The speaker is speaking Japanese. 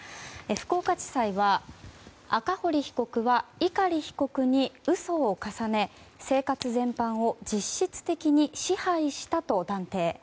福岡地裁は赤堀被告は碇被告に嘘を重ね生活全般を実質的に支配したと断定。